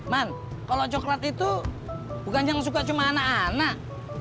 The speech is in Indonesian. man kalau coklat itu bukan yang suka cuma anak anak